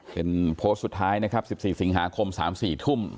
เป็นโพสต์สุดท้ายนะครับสิบสี่สิงหาคมสามสี่ทุ่ม